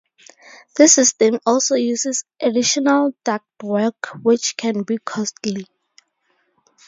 This system also uses additional ductwork which can be costly.